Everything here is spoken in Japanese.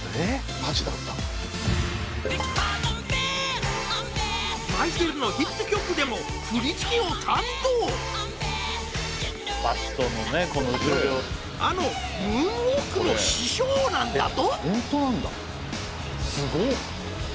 マイケルのヒット曲でも振り付けを担当あのムーンウォークの師匠なんだと本当なんだすごっ！